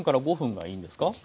３５分がいいんですか？